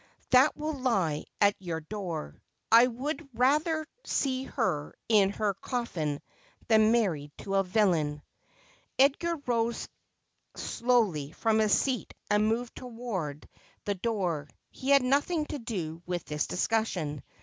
' That will lie at your door. I would rather see her in her coffin than married to a villain.' Edgar rose slowly from his seat and moved towards the 362 Asphodel. door. He had nothing to do with this discussion.